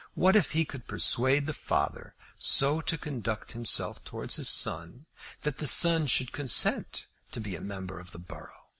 What if he could persuade the father so to conduct himself towards his son, that the son should consent to be a member for the borough?